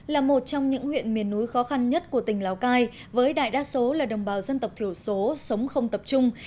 là một trong những huyện miền núi khó khăn nhất của tỉnh lào cai với đại đa số là đồng bào dân tộc thiểu số sống không tập trung